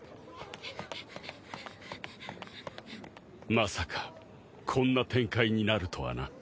まさかこんな展開になるとはな。